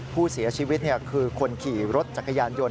ผู้เสียชีวิตคือคนขี่รถจักรยานยนต